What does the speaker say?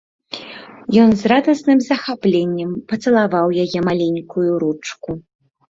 Ён з радасным захапленнем пацалаваў яе маленькую ручку.